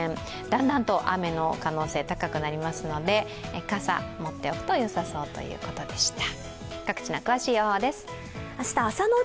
だんだんと雨の可能性高くなりますので、傘、持っておくとよさそうということでした。